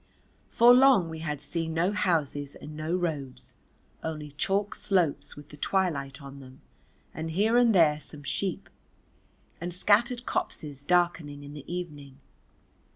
For long we had seen no houses and no roads, only chalk slopes with the twilight on them, and here and there some sheep, and scattered copses darkening in the evening.